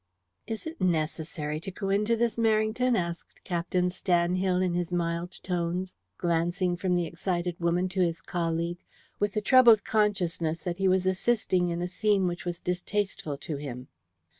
"Is it necessary to go into this, Merrington?" asked Captain Stanhill in his mild tones, glancing from the excited woman to his colleague with the troubled consciousness that he was assisting in a scene which was distasteful to him.